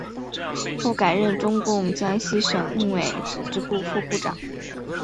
后改任中共江西省委组织部副部长。